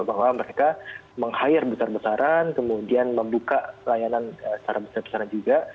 bahwa mereka meng hire besar besaran kemudian membuka layanan secara besar besaran juga